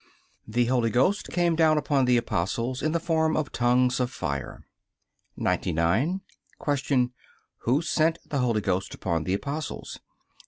The Holy Ghost came down upon the Apostles in the form of tongues of fire. 99. Q. Who sent the Holy Ghost upon the Apostles?